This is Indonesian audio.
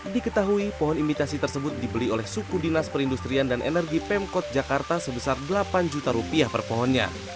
diketahui pohon imitasi tersebut dibeli oleh suku dinas perindustrian dan energi pemkot jakarta sebesar delapan juta rupiah per pohonnya